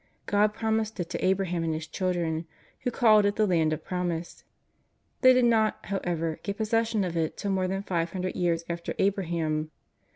God promised it to Abraham and his children, who called it the Land of Promise. They did not, however, get possession of it till more than five hundred years after Abraham.